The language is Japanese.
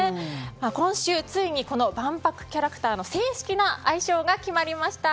今週ついに万博キャラクターの正式な愛称が決まりました。